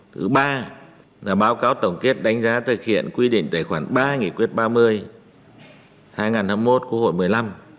thứ ba là báo cáo tổng kết đánh giá thực hiện quy định tài khoản ba nghị quyết ba mươi hai nghìn hai mươi một của hội một mươi năm